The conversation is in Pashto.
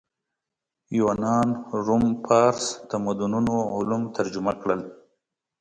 یونان روم فارس تمدنونو علوم ترجمه کړل